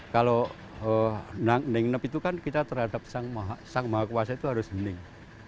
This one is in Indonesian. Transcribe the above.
kalau nang hening nep itu kan kita terhadap sang maha kuasa itu harus hening